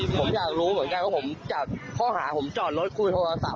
ผมรู้ว่าเออต้องแบบว่าจอดคุย